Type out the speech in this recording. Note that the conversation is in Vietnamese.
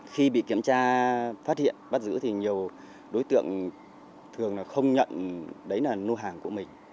khi bị kiểm tra phát hiện bắt giữ thì nhiều đối tượng thường không nhận đấy là lô hàng của mình